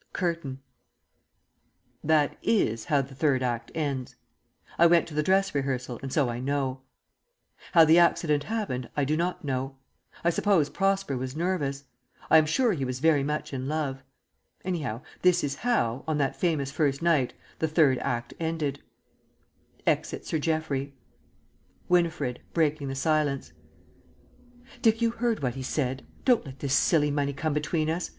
_ CURTAIN. That is how the Third Act ends. I went to the dress rehearsal, and so I know. How the accident happened I do not know. I suppose Prosper was nervous; I am sure he was very much in love. Anyhow, this is how, on that famous first night, the Third Act ended: Exit Sir Geoffrey. Winifred (breaking the silence). Dick, you heard what he said. Don't let this silly money come between us.